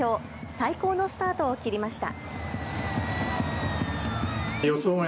最高のスタートを切りました。